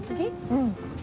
うん。